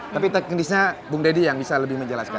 tapi teknisnya bung deddy yang bisa lebih menjelaskan